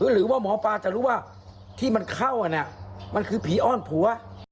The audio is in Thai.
หรือว่าหมอปลาจะรู้ว่าที่มันเข้ามันคือผีอ้อนผัว